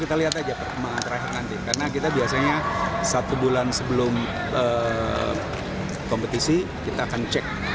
kita lihat aja karena kita biasanya satu bulan sebelum kompetisi kita akan cek